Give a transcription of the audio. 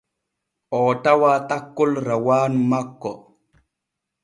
Oo tawaa takkol rawaanu makko.